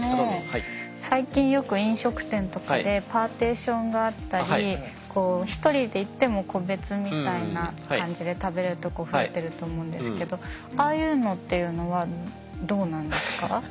最近よく飲食店とかでパーテーションがあったり１人で行っても個別みたいな感じで食べれるとこ増えてると思うんですけどああいうのっていうのはどうなんですか？